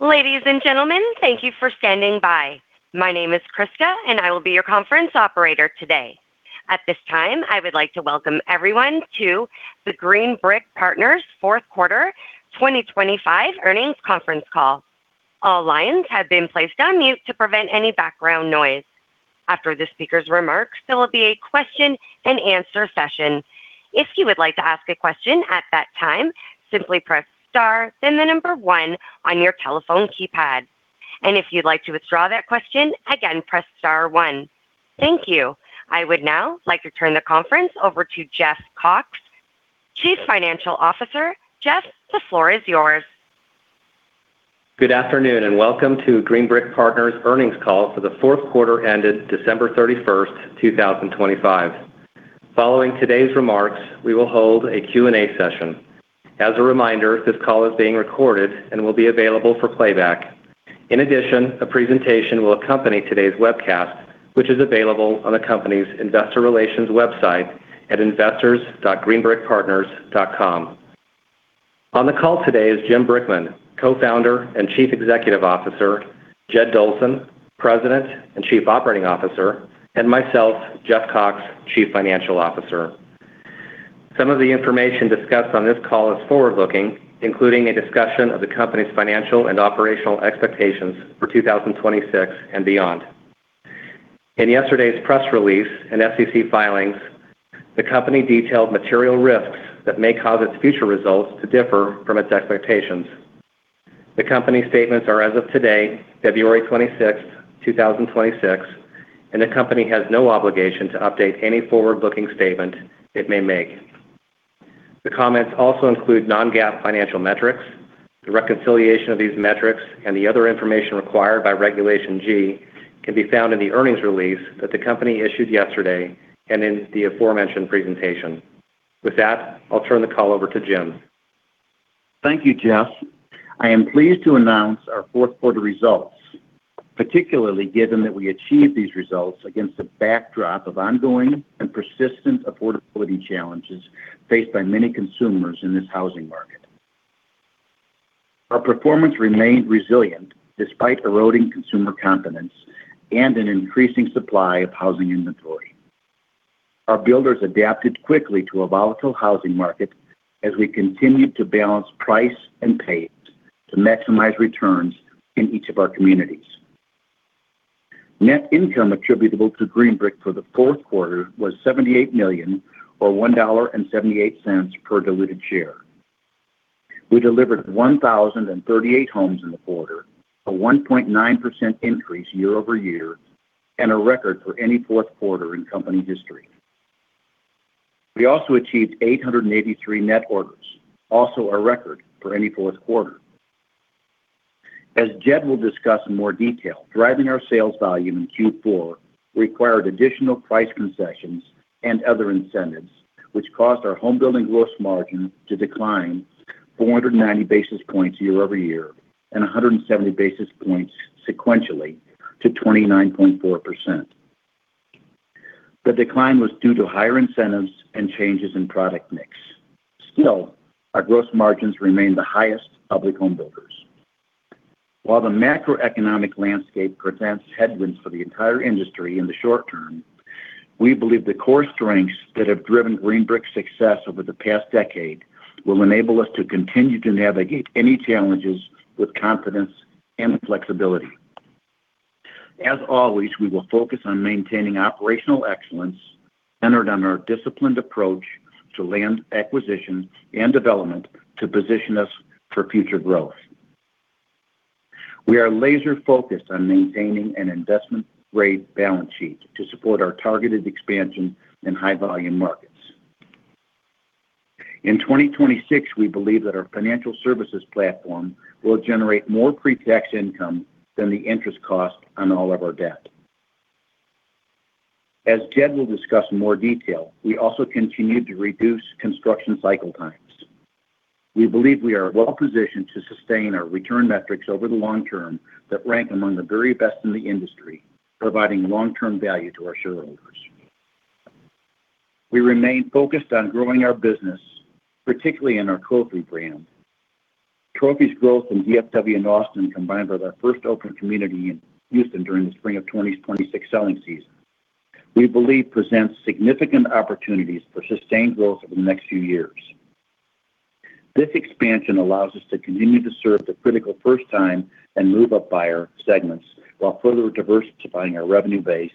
Ladies and gentlemen, thank you for standing by. My name is Krista, and I will be your conference operator today. At this time, I would like to welcome everyone to the Green Brick Partners Fourth Quarter 2025 Earnings Conference Call. All lines have been placed on mute to prevent any background noise. After the speaker's remarks, there will be a question and answer session. If you would like to ask a question at that time, simply press star, then the number one on your telephone keypad. If you'd like to withdraw that question, again, press star one. Thank you. I would now like to turn the conference over to Jeff Cox, Chief Financial Officer. Jeff, the floor is yours. Good afternoon, and welcome to Green Brick Partners' earnings call for the fourth quarter ended December 31, 2025. Following today's remarks, we will hold a Q&A session. As a reminder, this call is being recorded and will be available for playback. In addition, a presentation will accompany today's webcast, which is available on the company's investor relations website at investors.greenbrickpartners.com. On the call today is Jim Brickman, Co-founder and Chief Executive Officer, Jed Dolson, President and Chief Operating Officer, and myself, Jeff Cox, Chief Financial Officer. Some of the information discussed on this call is forward-looking, including a discussion of the company's financial and operational expectations for 2026 and beyond. In yesterday's press release and SEC filings, the company detailed material risks that may cause its future results to differ from its expectations. The company's statements are as of today, February 26th, 2026, and the company has no obligation to update any forward-looking statement it may make. The comments also include non-GAAP financial metrics. The reconciliation of these metrics and the other information required by Regulation G can be found in the earnings release that the company issued yesterday and in the aforementioned presentation. With that, I'll turn the call over to Jim. Thank you, Jeff. I am pleased to announce our fourth quarter results, particularly given that we achieved these results against a backdrop of ongoing and persistent affordability challenges faced by many consumers in this housing market. Our performance remained resilient despite eroding consumer confidence and an increasing supply of housing inventory. Our builders adapted quickly to a volatile housing market as we continued to balance price and pace to maximize returns in each of our communities. Net income attributable to Green Brick for the fourth quarter was $78 million or $1.78 per diluted share. We delivered 1,038 homes in the quarter, a 1.9% increase year-over-year, and a record for any fourth quarter in company history. We also achieved 883 net orders, also a record for any fourth quarter. As Jed will discuss in more detail, driving our sales volume in Q4 required additional price concessions and other incentives, which caused our home building gross margin to decline 490 basis points year-over-year and 170 basis points sequentially to 29.4%. The decline was due to higher incentives and changes in product mix. Still, our gross margins remain the highest public home builders. While the macroeconomic landscape presents headwinds for the entire industry in the short term, we believe the core strengths that have driven Green Brick's success over the past decade will enable us to continue to navigate any challenges with confidence and flexibility. As always, we will focus on maintaining operational excellence centered on our disciplined approach to land acquisition and development to position us for future growth. We are laser-focused on maintaining an investment-grade balance sheet to support our targeted expansion in high-volume markets. In 2026, we believe that our financial services platform will generate more pre-tax income than the interest cost on all of our debt. As Jed will discuss in more detail, we also continue to reduce construction cycle times. We believe we are well positioned to sustain our return metrics over the long term that rank among the very best in the industry, providing long-term value to our shareholders. We remain focused on growing our business, particularly in our Trophy brand. Trophy's growth in DFW and Austin, combined with our first open community in Houston during the spring of 2026 selling season, we believe presents significant opportunities for sustained growth over the next few years. This expansion allows us to continue to serve the critical first-time and move-up buyer segments while further diversifying our revenue base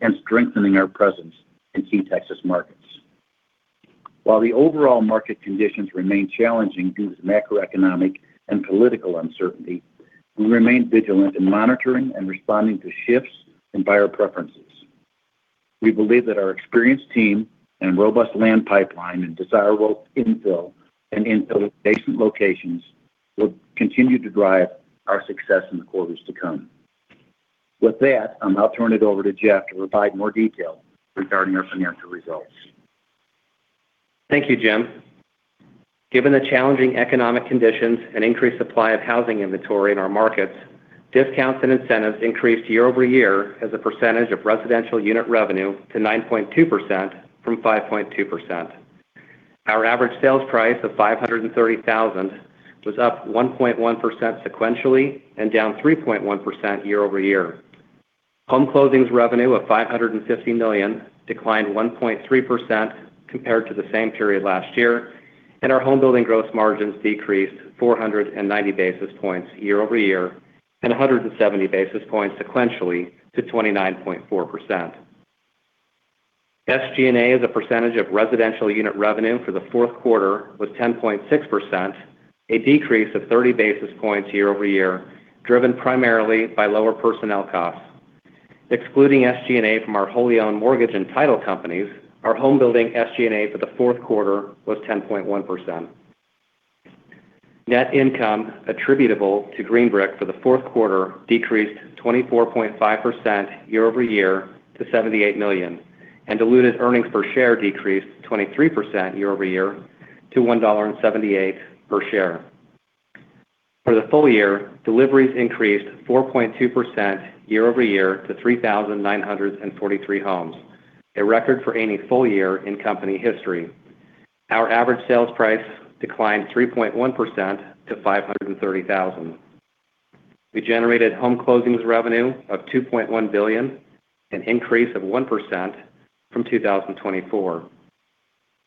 and strengthening our presence in key Texas markets. While the overall market conditions remain challenging due to macroeconomic and political uncertainty, we remain vigilant in monitoring and responding to shifts in buyer preferences. We believe that our experienced team and robust land pipeline in desirable infill and infill-adjacent locations will continue to drive our success in the quarters to come. With that, I'll now turn it over to Jeff to provide more detail regarding our financial results. Thank you, Jim. Given the challenging economic conditions and increased supply of housing inventory in our markets, discounts and incentives increased year-over-year as a percentage of residential unit revenue to 9.2% from 5.2%. Our average sales price of $530,000 was up 1.1% sequentially and down 3.1% year-over-year. Home closings revenue of $550 million declined 1.3% compared to the same period last year, and our home building gross margins decreased 490 basis points year-over-year and 170 basis points sequentially to 29.4%. SG&A as a percentage of residential unit revenue for the fourth quarter was 10.6%, a decrease of 30 basis points year-over-year, driven primarily by lower personnel costs. Excluding SG&A from our wholly owned mortgage and title companies, our home building SG&A for the fourth quarter was 10.1%. Net income attributable to Green Brick for the fourth quarter decreased 24.5% year-over-year to $78 million, and diluted earnings per share decreased 23% year-over-year to $1.78 per share. For the full year, deliveries increased 4.2% year-over-year to 3,943 homes, a record for any full year in company history. Our average sales price declined 3.1% to $530,000. We generated home closings revenue of $2.1 billion, an increase of 1% from 2024.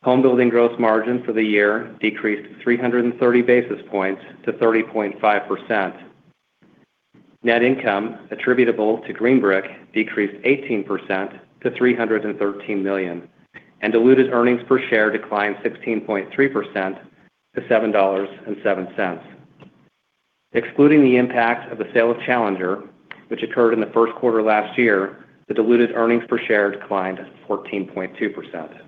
Home building gross margin for the year decreased 330 basis points to 30.5%. Net income attributable to Green Brick decreased 18% to $313 million. Diluted earnings per share declined 16.3% to $7.07. Excluding the impact of the sale of Challenger, which occurred in the first quarter last year, the diluted earnings per share declined 14.2%.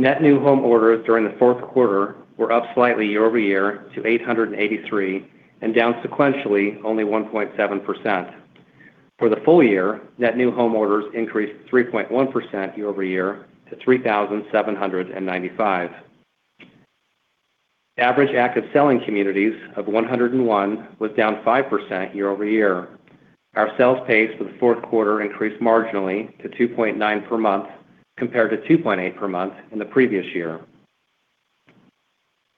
Net new home orders during the fourth quarter were up slightly year-over-year to 883. Down sequentially only 1.7%. For the full year, net new home orders increased 3.1% year-over-year to 3,795. Average active selling communities of 101 was down 5% year-over-year. Our sales pace for the fourth quarter increased marginally to 2.9 per month, compared to 2.8 per month in the previous year.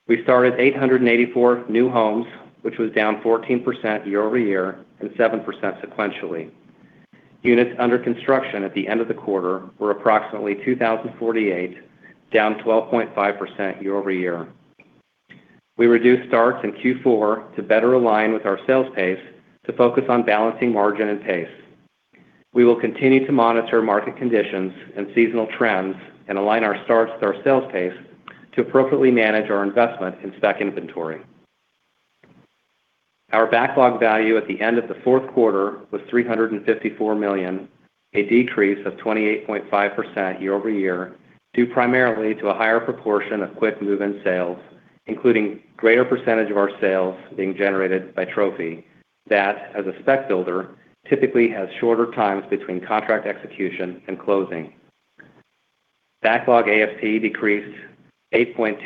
We started 884 new homes, which was down 14% year-over-year and 7% sequentially. Units under construction at the end of the quarter were approximately 2,048, down 12.5% year-over-year. We reduced starts in Q4 to better align with our sales pace to focus on balancing margin and pace. We will continue to monitor market conditions and seasonal trends and align our starts with our sales pace to appropriately manage our investment in spec inventory. Our backlog value at the end of the fourth quarter was $354 million, a decrease of 28.5% year-over-year, due primarily to a higher proportion of quick move-in sales, including greater percentage of our sales being generated by Trophy. That, as a spec builder, typically has shorter times between contract execution and closing. Backlog ASP decreased 8.2%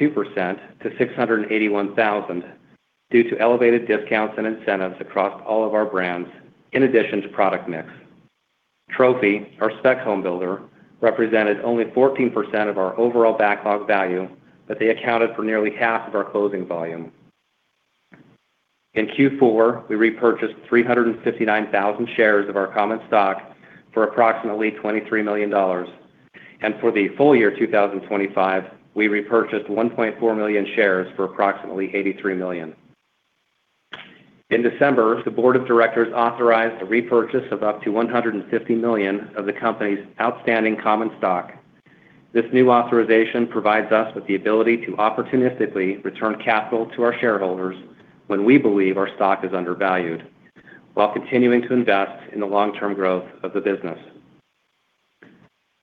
to $681,000 due to elevated discounts and incentives across all of our brands, in addition to product mix. Trophy, our spec home builder, represented only 14% of our overall backlog value, they accounted for nearly half of our closing volume. In Q4, we repurchased 359,000 shares of our common stock for approximately $23 million, for the full year 2025, we repurchased 1.4 million shares for approximately $83 million. In December, the board of directors authorized a repurchase of up to $150 million of the company's outstanding common stock. This new authorization provides us with the ability to opportunistically return capital to our shareholders when we believe our stock is undervalued, while continuing to invest in the long-term growth of the business.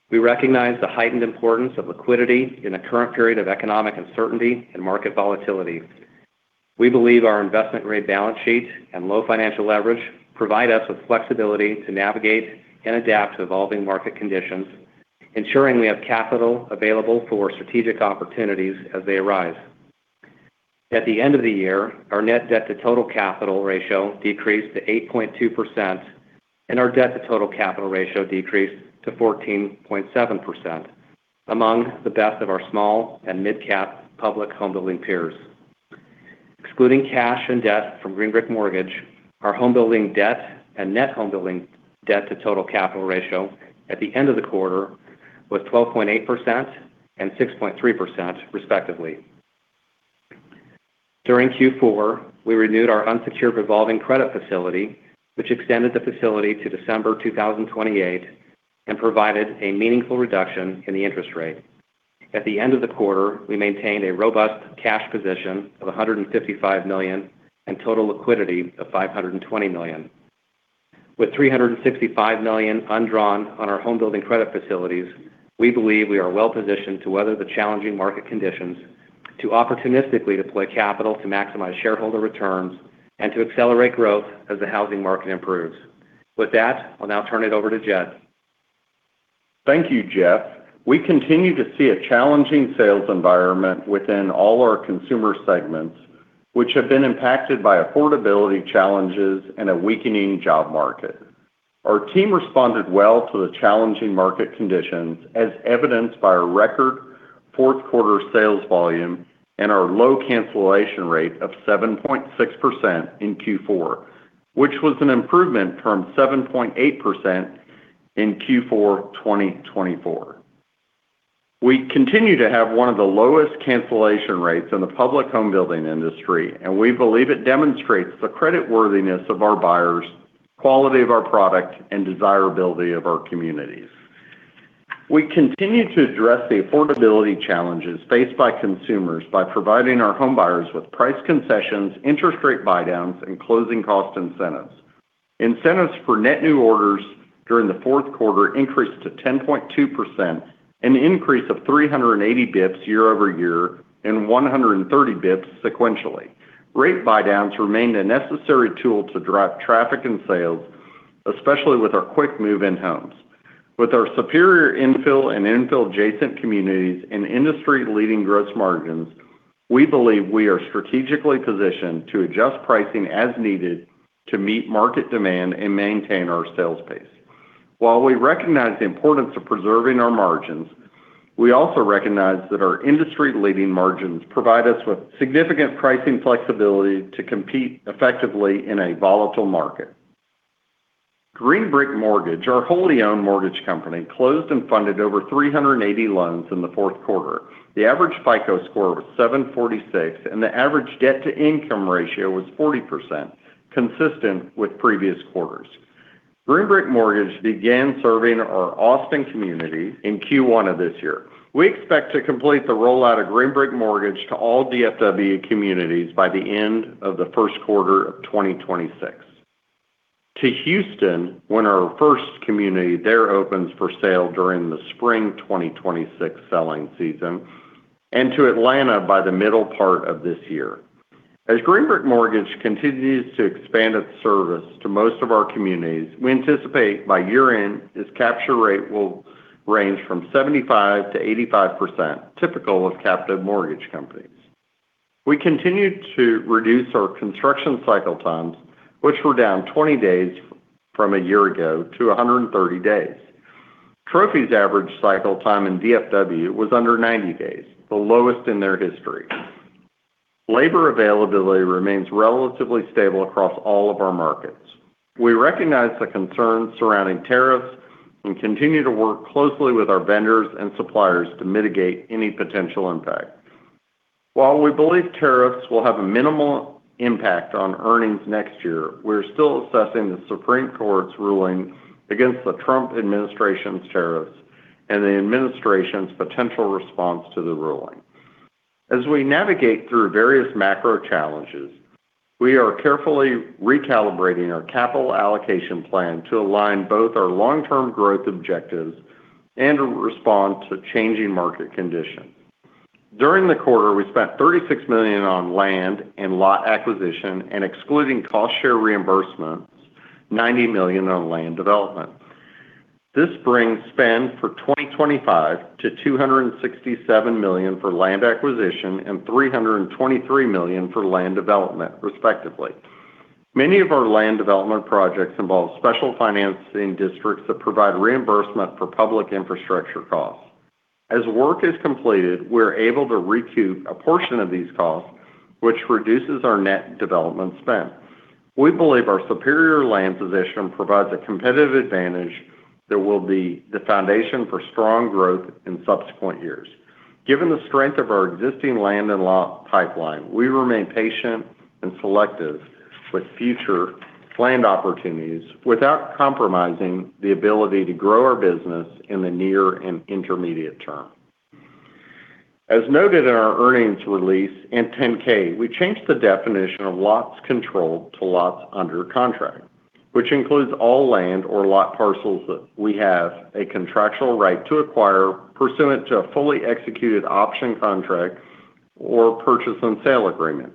We recognize the heightened importance of liquidity in a current period of economic uncertainty and market volatility. We believe our investment-grade balance sheet and low financial leverage provide us with flexibility to navigate and adapt to evolving market conditions, ensuring we have capital available for strategic opportunities as they arise. At the end of the year, our net debt to total capital ratio decreased to 8.2%, and our debt to total capital ratio decreased to 14.7%, among the best of our small and mid-cap public home building peers. Excluding cash and debt from Green Brick Mortgage, our home building debt and net home building debt to total capital ratio at the end of the quarter was 12.8% and 6.3%, respectively. During Q4, we renewed our unsecured revolving credit facility, which extended the facility to December 2028 and provided a meaningful reduction in the interest rate. At the end of the quarter, we maintained a robust cash position of $155 million and total liquidity of $520 million. With $365 million undrawn on our home building credit facilities, we believe we are well positioned to weather the challenging market conditions, to opportunistically deploy capital to maximize shareholder returns, and to accelerate growth as the housing market improves. With that, I'll now turn it over to Jed. Thank you, Jeff. We continue to see a challenging sales environment within all our consumer segments, which have been impacted by affordability challenges and a weakening job market. Our team responded well to the challenging market conditions, as evidenced by our record fourth quarter sales volume and our low cancellation rate of 7.6% in Q4, which was an improvement from 7.8% in Q4 2024. We continue to have one of the lowest cancellation rates in the public home building industry. We believe it demonstrates the creditworthiness of our buyers, quality of our product, and desirability of our communities. We continue to address the affordability challenges faced by consumers by providing our home buyers with price concessions, interest rate buydowns, and closing cost incentives. Incentives for net new orders during the fourth quarter increased to 10.2%, an increase of 380 basis points year-over-year and 130 basis points sequentially. Rate buydowns remained a necessary tool to drive traffic and sales, especially with our quick move-in homes. With our superior infill and infill-adjacent communities and industry-leading gross margins, we believe we are strategically positioned to adjust pricing as needed to meet market demand and maintain our sales pace. While we recognize the importance of preserving our margins, we also recognize that our industry-leading margins provide us with significant pricing flexibility to compete effectively in a volatile market. Green Brick Mortgage, our wholly owned mortgage company, closed and funded over 380 loans in the fourth quarter. The average FICO score was 746, and the average debt-to-income ratio was 40%, consistent with previous quarters. Green Brick Mortgage began serving our Austin community in Q1 of this year. We expect to complete the rollout of Green Brick Mortgage to all DFW communities by the end of the first quarter of 2026. To Houston, when our first community there opens for sale during the spring 2026 selling season, and to Atlanta by the middle part of this year. As Green Brick Mortgage continues to expand its service to most of our communities, we anticipate by year-end, its capture rate will range from 75-85%, typical of captive mortgage companies. We continued to reduce our construction cycle times, which were down 20 days from a year ago to 130 days. Trophy's average cycle time in DFW was under 90 days, the lowest in their history. Labor availability remains relatively stable across all of our markets. We recognize the concerns surrounding tariffs and continue to work closely with our vendors and suppliers to mitigate any potential impact. While we believe tariffs will have a minimal impact on earnings next year, we're still assessing the Supreme Court's ruling against the Trump administration's tariffs and the administration's potential response to the ruling. We navigate through various macro challenges, we are carefully recalibrating our capital allocation plan to align both our long-term growth objectives and to respond to changing market conditions. During the quarter, we spent $36 million on land and lot acquisition, and excluding cost share reimbursements, $90 million on land development. This brings spend for 2025 to $267 million for land acquisition and $323 million for land development, respectively. Many of our land development projects involve special financing districts that provide reimbursement for public infrastructure costs. As work is completed, we're able to recoup a portion of these costs, which reduces our net development spend. We believe our superior land position provides a competitive advantage that will be the foundation for strong growth in subsequent years. Given the strength of our existing land and lot pipeline, we remain patient and selective with future land opportunities, without compromising the ability to grow our business in the near and intermediate term. As noted in our earnings release in 10-K, we changed the definition of lots controlled to lots under contract, which includes all land or lot parcels that we have a contractual right to acquire pursuant to a fully executed option contract or purchase and sale agreement.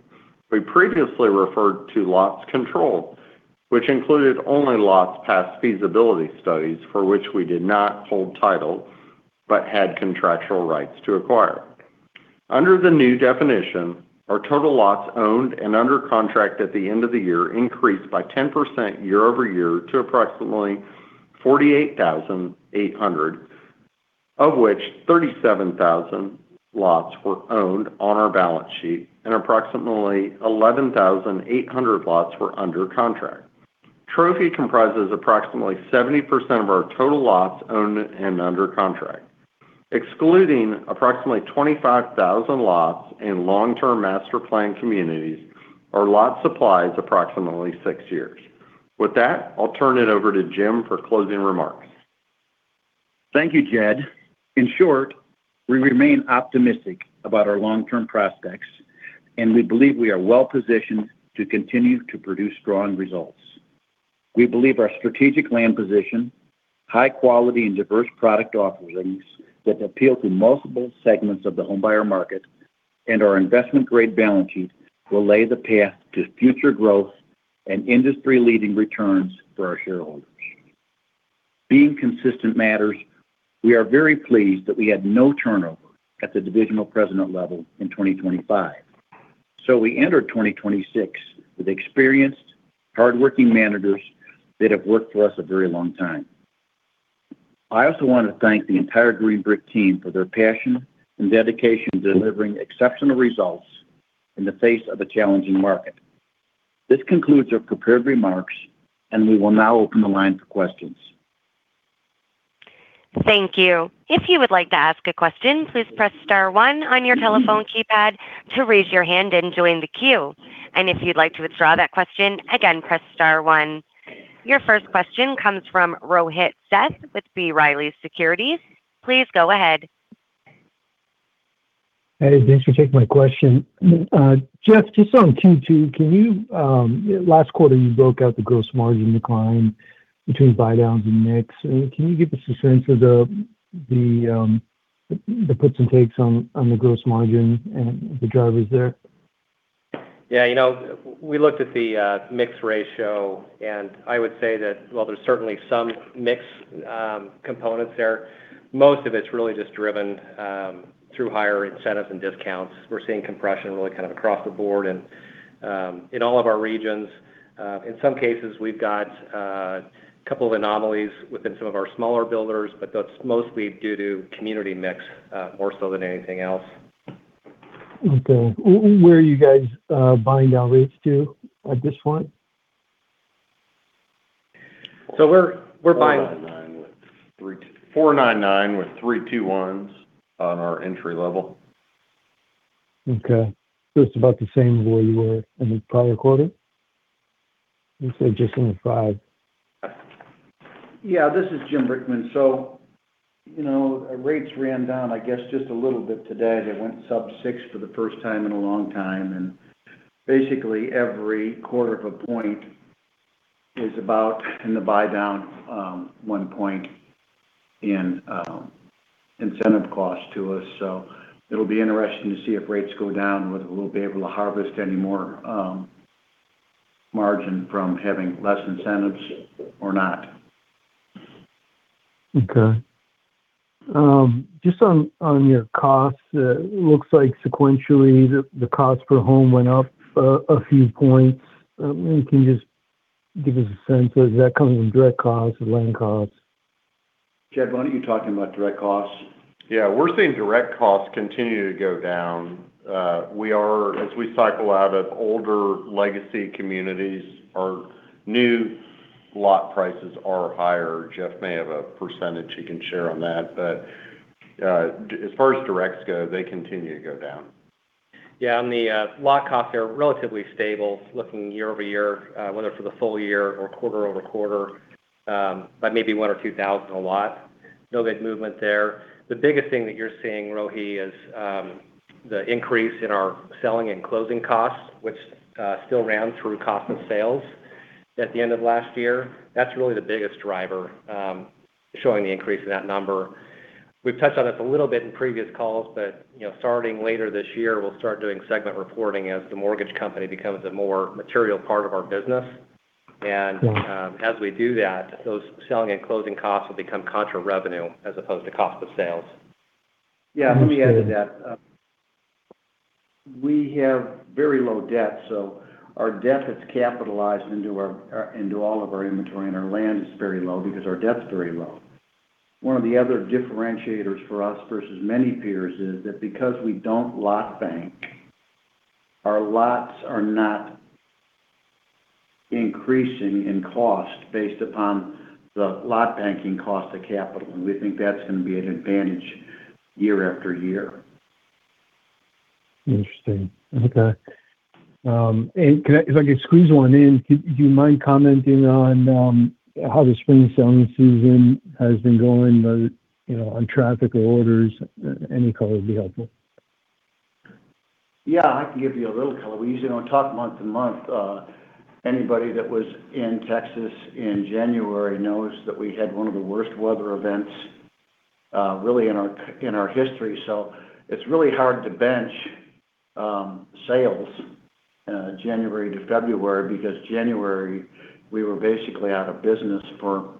We previously referred to lots controlled, which included only lots past feasibility studies for which we did not hold title but had contractual rights to acquire. Under the new definition, our total lots owned and under contract at the end of the year increased by 10% year-over-year to approximately 48,800, of which 37,000 lots were owned on our balance sheet and approximately 11,800 lots were under contract. Trophy comprises approximately 70% of our total lots owned and under contract. Excluding approximately 25,000 lots in long-term master planned communities, our lot supply is approximately six years. With that, I'll turn it over to Jim for closing remarks. Thank you, Jed. In short, we remain optimistic about our long-term prospects, and we believe we are well positioned to continue to produce strong results. We believe our strategic land position, high quality and diverse product offerings that appeal to multiple segments of the homebuyer market, and our investment-grade balance sheet will lay the path to future growth and industry-leading returns for our shareholders. Being consistent matters. We are very pleased that we had no turnover at the divisional president level in 2025. We entered 2026 with experienced, hardworking managers that have worked for us a very long time. I also want to thank the entire Green Brick team for their passion and dedication to delivering exceptional results in the face of a challenging market. This concludes our prepared remarks, and we will now open the line for questions. Thank you. If you would like to ask a question, please press star one on your telephone keypad to raise your hand and join the queue. If you'd like to withdraw that question, again, press star one. Your first question comes from Rohit Seth with B. Riley Securities. Please go ahead. Hey, thanks for taking my question. Jeff, just on Q2, can you? Last quarter, you broke out the gross margin decline between buy downs and mix. Can you give us a sense of the puts and takes on the gross margin and the drivers there? Yeah, you know, we looked at the mix ratio, and I would say that while there's certainly some mix components there, most of it's really just driven through higher incentives and discounts. We're seeing compression really kind of across the board and in all of our regions. In some cases, we've got a couple of anomalies within some of our smaller builders, but that's mostly due to community mix more so than anything else. Okay. Where are you guys buying down rates to at this point? We're buying. $499, with 321 on our entry level. Okay. It's about the same as where you were in the prior quarter? You said just in the five. Yeah, this is Jim Brickman. you know, rates ran down, I guess, just a little bit today. They went sub 6% for the first time in a long time, and basically, every quarter of a point is about in the buy down, one point in incentive cost to us. It'll be interesting to see if rates go down, whether we'll be able to harvest any more margin from having less incentives or not. Okay. Just on your costs, looks like sequentially, the cost per home went up a few points. Can you just give us a sense, is that coming from direct costs or land costs? Jed, why don't you talk about direct costs? We're seeing direct costs continue to go down. We are, as we cycle out of older legacy communities, our new lot prices are higher. Jeff may have a percentage he can share on that, but, as far as directs go, they continue to go down. Yeah, on the lot costs are relatively stable, looking year-over-year, whether for the full year or quarter-over-quarter, by maybe $1,000 or $2,000 a lot. No big movement there. The biggest thing that you're seeing, Rohit, is the increase in our selling and closing costs, which still ran through cost of sales at the end of last year. That's really the biggest driver, showing the increase in that number. We've touched on this a little bit in previous calls, but, you know, starting later this year, we'll start doing segment reporting as the mortgage company becomes a more material part of our business. Okay. As we do that, those selling and closing costs will become contra revenue as opposed to cost of sales. Yeah, let me add to that. We have very low debt, so our debt is capitalized into our into all of our inventory, and our land is very low because our debt is very low. One of the other differentiators for us versus many peers is that because we don't lot bank, our lots are not increasing in cost based upon the lot banking cost of capital, and we think that's going to be an advantage year after year. Interesting. Okay. If I could squeeze one in, do you mind commenting on, how the spring selling season has been going, you know, on traffic or orders? Any color would be helpful. Yeah, I can give you a little color. We usually don't talk month to month. Anybody that was in Texas in January knows that we had one of the worst weather events, really in our, in our history. It's really hard to bench sales January to February, because January, we were basically out of business for,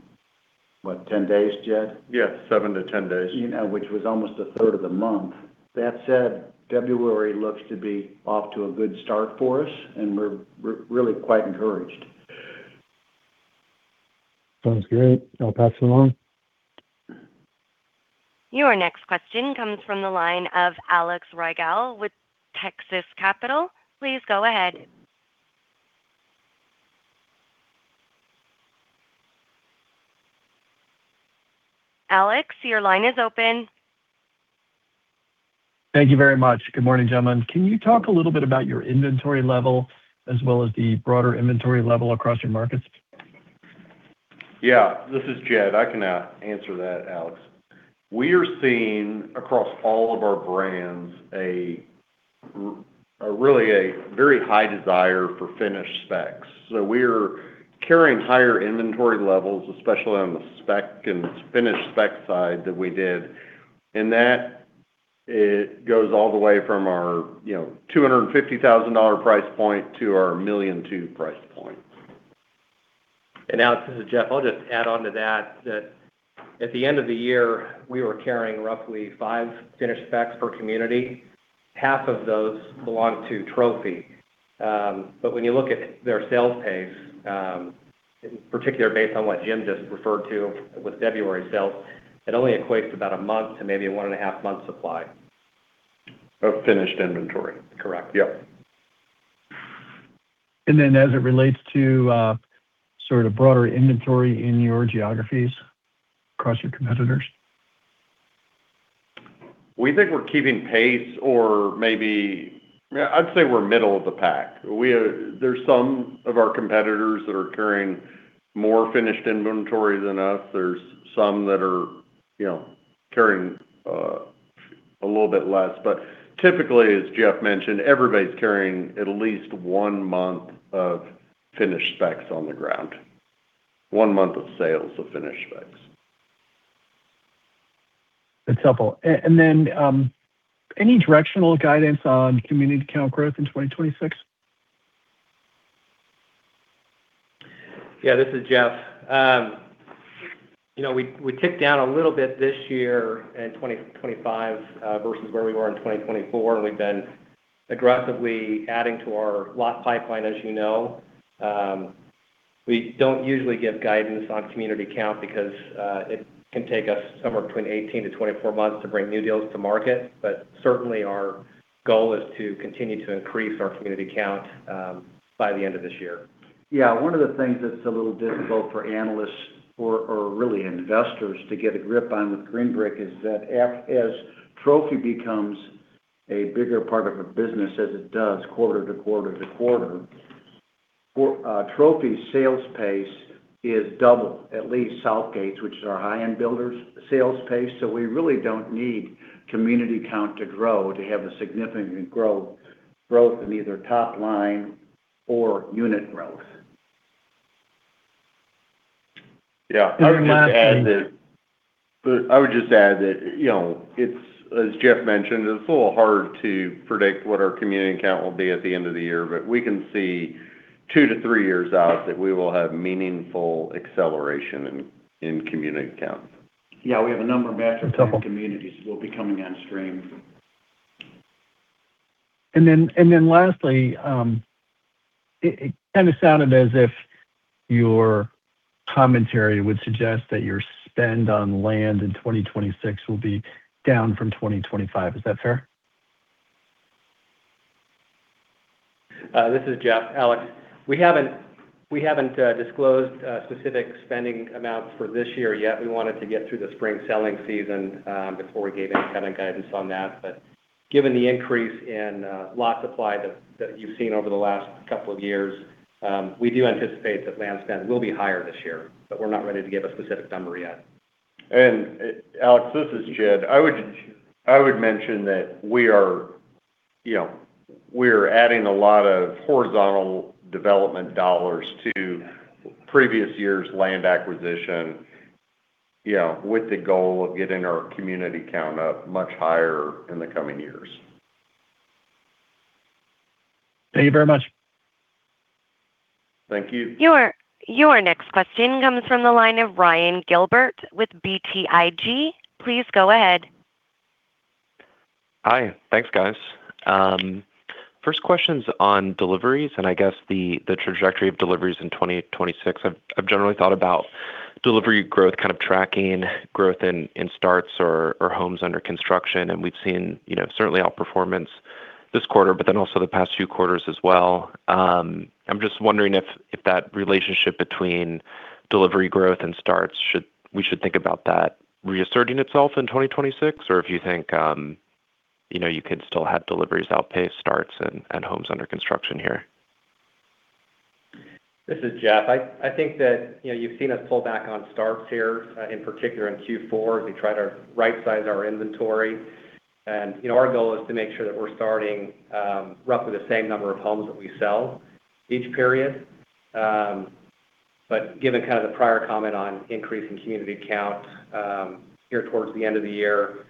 what, 10 days, Jed? Yes, 7-10 days. You know, which was almost a third of the month. February looks to be off to a good start for us, and we're really quite encouraged. Sounds great. I'll pass it along. Your next question comes from the line of Alex Rygiel with Texas Capital. Please go ahead. Alex, your line is open. Thank you very much. Good morning, gentlemen. Can you talk a little bit about your inventory level as well as the broader inventory level across your markets? This is Jed. I can answer that, Alex. We are seeing across all of our brands, a really a very high desire for finished specs. We're carrying higher inventory levels, especially on the spec and finished spec side than we did. It goes all the way from our, you know, $250,000 price point to our $1.2 million price point. Now, this is Jeff. I'll just add on to that at the end of the year, we were carrying roughly five finished specs per community. Half of those belong to Trophy. When you look at their sales pace, in particular, based on what Jim just referred to with February sales, it only equates to about a month to maybe one and a half months supply. Of finished inventory. Correct. Yep. As it relates to, sort of broader inventory in your geographies across your competitors? We think we're keeping pace or maybe, yeah, I'd say we're middle of the pack. There's some of our competitors that are carrying more finished inventory than us. There's some that are, you know, carrying a little bit less. Typically, as Jeff mentioned, everybody's carrying at least one month of finished specs on the ground. One month of sales of finished specs. That's helpful. Then, any directional guidance on community count growth in 2026? Yeah, this is Jeff. You know, we ticked down a little bit this year in 2025, versus where we were in 2024, and we've been aggressively adding to our lot pipeline, as you know. We don't usually give guidance on community count because, it can take us somewhere between 18-24 months to bring new deals to market. Certainly our goal is to continue to increase our community count, by the end of this year. Yeah, one of the things that's a little difficult for analysts or really investors to get a grip on with Green Brick is that as Trophy becomes a bigger part of a business, as it does quarter to quarter to quarter, for Trophy sales pace is double, at least Southgate, which is our high-end builders sales pace. We really don't need community count to grow to have a significant growth in either top line or unit growth. Yeah. I would just add that, you know, it's, as Jeff mentioned, it's a little hard to predict what our community count will be at the end of the year, but we can see two to three years out that we will have meaningful acceleration in community count. Yeah, we have a number of metropolitan communities will be coming on stream. Lastly, it kinda sounded as if your commentary would suggest that your spend on land in 2026 will be down from 2025. Is that fair? This is Jeff. Alex, we haven't disclosed specific spending amounts for this year yet. We wanted to get through the spring selling season before we gave any kind of guidance on that. Given the increase in lot supply that you've seen over the last couple of years, we do anticipate that land spend will be higher this year, but we're not ready to give a specific number yet. Alex, this is Jed. I would mention that we are, you know, we're adding a lot of horizontal development dollars to previous years' land acquisition, you know, with the goal of getting our community count up much higher in the coming years. Thank you very much. Thank you. Your next question comes from the line of Ryan Gilbert with BTIG. Please go ahead. Hi. Thanks, guys. First question's on deliveries. I guess the trajectory of deliveries in 2026. I've generally thought about delivery growth, kind of tracking growth in starts or homes under construction. We've seen, you know, certainly outperformance this quarter. Also the past few quarters as well. I'm just wondering if that relationship between delivery growth and starts, we should think about that reasserting itself in 2026, or if you think, you know, you could still have deliveries outpace starts and homes under construction here? This is Jeff. I think that, you know, you've seen us pull back on starts here, in particular in Q4, as we try to rightsize our inventory. Our goal is to make sure that we're starting, roughly the same number of homes that we sell each period. Given kind of the prior comment on increasing community count, here towards the end of the year,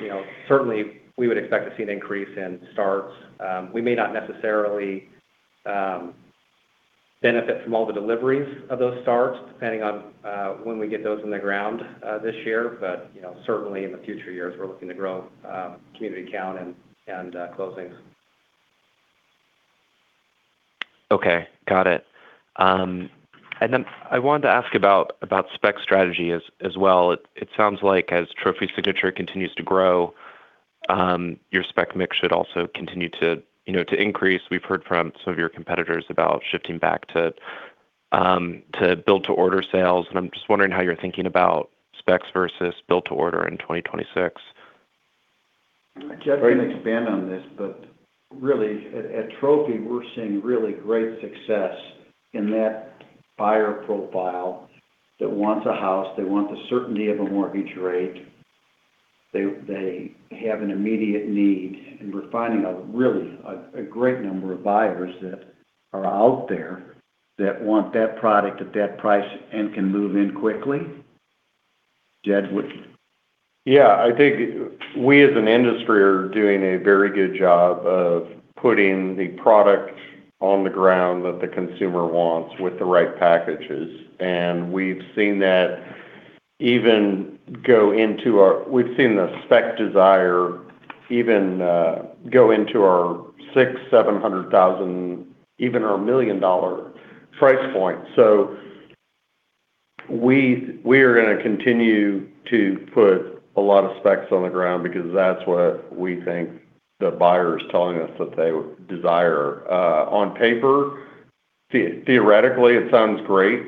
you know, certainly we would expect to see an increase in starts. We may not necessarily, benefit from all the deliveries of those starts, depending on, when we get those in the ground, this year. Certainly, you know, in the future years, we're looking to grow, community count and closings. Okay. Got it. I wanted to ask about spec strategy as well. It sounds like as Trophy Signature continues to grow, your spec mix should also continue to, you know, to increase. We've heard from some of your competitors about shifting back to build-to-order sales. I'm just wondering how you're thinking about specs versus build-to-order in 2026. Jeff can expand on this, but really, at Trophy, we're seeing really great success in that buyer profile that wants a house. They want the certainty of a mortgage rate. They have an immediate need, and we're finding a really great number of buyers that are out there, that want that product at that price and can move in quickly? Jed, what. Yeah, I think we as an industry are doing a very good job of putting the product on the ground that the consumer wants with the right packages. We've seen that even go into we've seen the spec desire even go into our $600,000, $700,000, even our $1 million price point. We are gonna continue to put a lot of specs on the ground because that's what we think the buyer is telling us that they desire. On paper, theoretically, it sounds great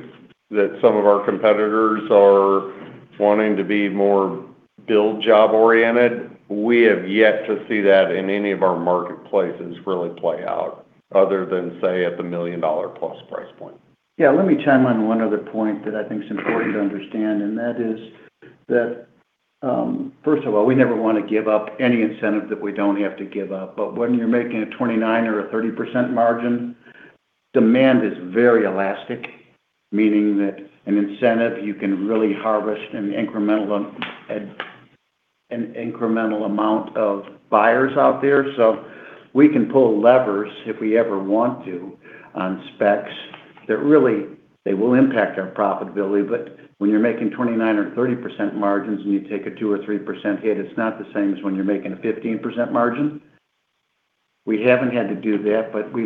that some of our competitors are wanting to be more build job-oriented. We have yet to see that in any of our marketplaces really play out, other than, say, at the $1 million-plus price point. Let me chime on one other point that I think is important to understand, and that is that, first of all, we never want to give up any incentive that we don't have to give up. When you're making a 29% or a 30% margin, demand is very elastic, meaning that an incentive, you can really harvest an incremental amount of buyers out there. We can pull levers, if we ever want to, on specs, that really, they will impact our profitability. When you're making 29% or 30% margins and you take a 2% or 3% hit, it's not the same as when you're making a 15% margin. We haven't had to do that, but we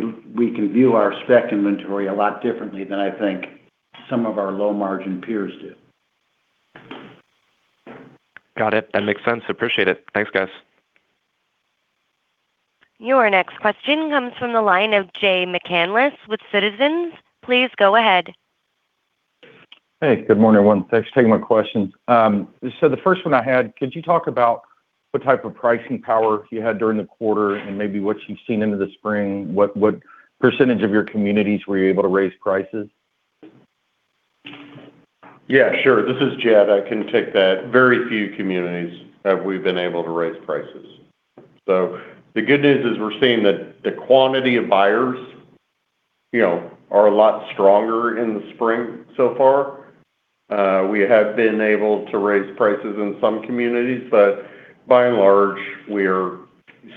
can view our spec inventory a lot differently than I think some of our low-margin peers do. Got it. That makes sense. Appreciate it. Thanks, guys. Your next question comes from the line of Jay McCanless with Citizens. Please go ahead. Hey, good morning, everyone. Thanks for taking my questions. The first one I had, could you talk about what type of pricing power you had during the quarter and maybe what you've seen into the spring? What % of your communities were you able to raise prices? Yeah, sure. This is Jed. I can take that. Very few communities have we been able to raise prices. The good news is we're seeing that the quantity of buyers, you know, are a lot stronger in the spring so far. We have been able to raise prices in some communities, but by and large, we're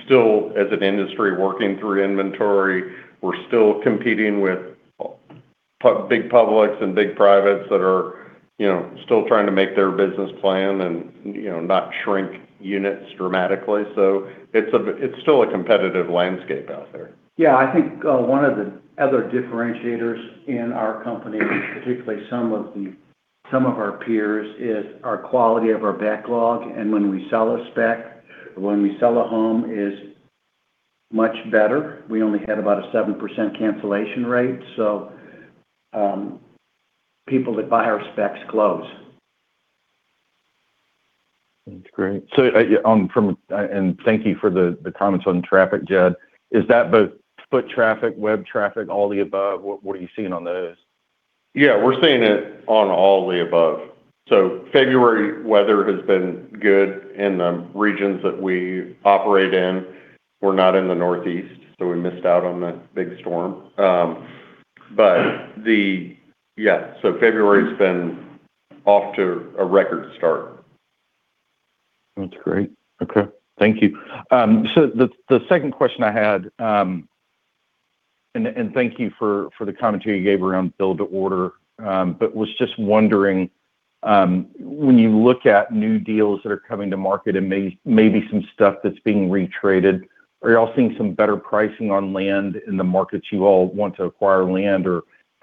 still, as an industry, working through inventory. We're still competing with big publics and big privates that are, you know, still trying to make their business plan and, you know, not shrink units dramatically. It's a, it's still a competitive landscape out there. I think one of the other differentiators in our company, particularly some of the, some of our peers, is our quality of our backlog. When we sell a spec or when we sell a home is much better. We only had about a 7% cancellation rate. People that buy our specs close. That's great. Thank you for the comments on traffic, Jed. Is that both foot traffic, web traffic, all the above? What are you seeing on those? Yeah, we're seeing it on all the above. February weather has been good in the regions that we operate in. We're not in the Northeast, so we missed out on the big storm. Yeah, February's been off to a record start. That's great. Okay, thank you. The second question I had. Thank you for the commentary you gave around build to order. Was just wondering, when you look at new deals that are coming to market and maybe some stuff that's being retraded, are y'all seeing some better pricing on land in the markets you all want to acquire land?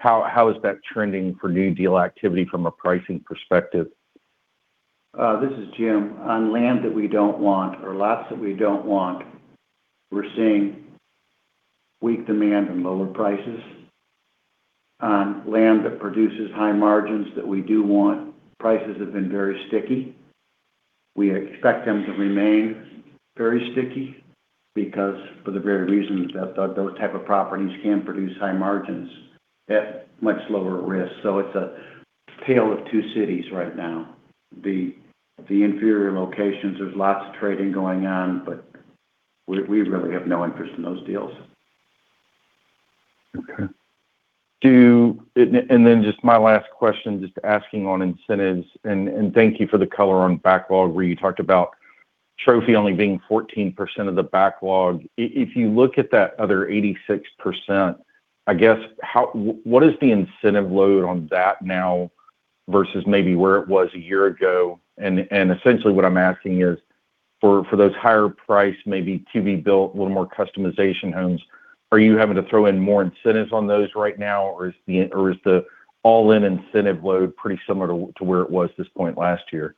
How is that trending for new deal activity from a pricing perspective? This is Jim. On land that we don't want or lots that we don't want, we're seeing weak demand and lower prices. On land that produces high margins that we do want, prices have been very sticky. We expect them to remain very sticky because for the very reasons that those type of properties can produce high margins at much lower risk. It's a tale of two cities right now. The inferior locations, there's lots of trading going on, but we really have no interest in those deals. Okay. Then just my last question, just asking on incentives, and thank you for the color on backlog, where you talked about Trophy only being 14% of the backlog. If you look at that other 86%, I guess, what is the incentive load on that now versus maybe where it was a year ago? Essentially, what I'm asking is, for those higher priced, maybe to-be-built, a little more customization homes, are you having to throw in more incentives on those right now? Or is the all-in incentive load pretty similar to where it was this point last year?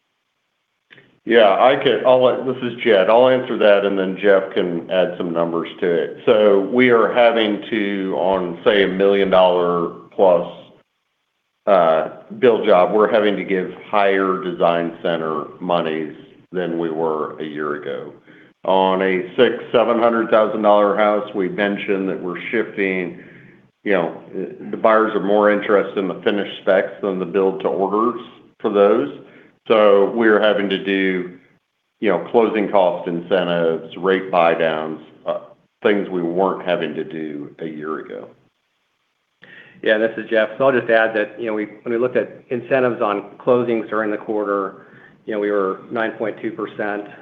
This is Jed. I'll answer that, and then Jeff can add some numbers to it. We are having to, on, say, a $1 million-plus build job, we're having to give higher design center monies than we were a year ago. On a $600,000-$700,000 house, we've mentioned that we're shifting, you know, the buyers are more interested in the finished specs than the build to orders for those. We're having to do, you know, closing cost incentives, rate buydowns, things we weren't having to do a year ago. Yeah, this is Jeff. I'll just add that, you know, when we looked at incentives on closings during the quarter, you know, we were 9.2%,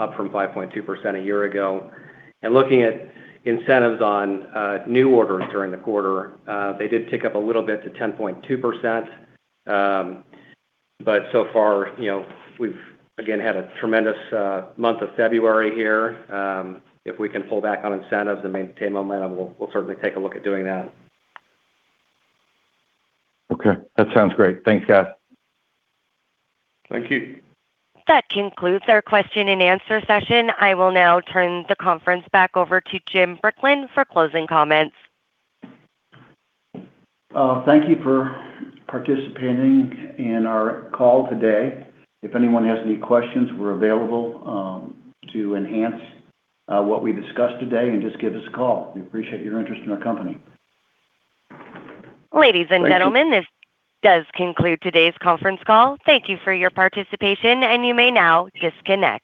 up from 5.2% a year ago. Looking at incentives on new orders during the quarter, they did tick up a little bit to 10.2%. So far, you know, we've again, had a tremendous month of February here. If we can pull back on incentives and maintain momentum, we'll certainly take a look at doing that. Okay. That sounds great. Thanks, guys. Thank you. That concludes our question and answer session. I will now turn the conference back over to Jim Brickman for closing comments. Thank you for participating in our call today. If anyone has any questions, we're available to enhance what we discussed today, and just give us a call. We appreciate your interest in our company. Ladies and gentlemen. Thank you. This does conclude today's conference call. Thank you for your participation, and you may now disconnect.